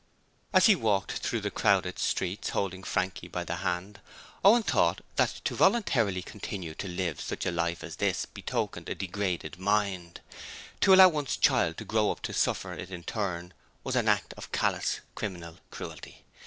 As he walked through the crowded streets holding Frankie by the hand, Owen thought that to voluntarily continue to live such a life as this betokened a degraded mind. To allow one's child to grow up to suffer it in turn was an act of callous, criminal cruelty.